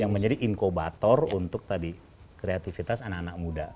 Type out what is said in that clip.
yang menjadi inkubator untuk tadi kreativitas anak anak muda